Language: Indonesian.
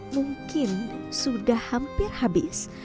mungkin sudah hampir habis